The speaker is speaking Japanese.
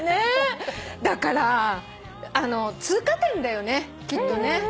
だから通過点だよねきっとね。